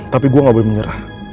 tapi gue gak boleh menyerah